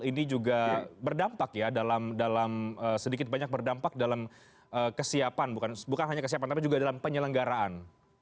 ini juga berdampak ya dalam sedikit banyak berdampak dalam kesiapan bukan hanya kesiapan tapi juga dalam penyelenggaraan